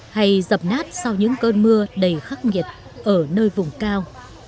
hay dập nát sau những cơn mưa đầy khắc nghiệt ở nơi vùng cao